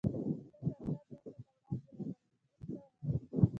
زه تر تا دوه ساعته وړاندې راغلی یم، اوس څه غواړې؟